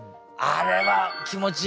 あれ気持ちいい。